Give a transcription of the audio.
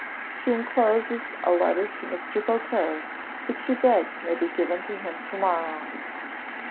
She encloses a letter to Mr. Beauclerc, which she begs may be given to him to morrow.